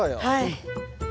はい。